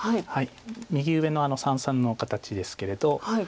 右上の三々の形ですけれど。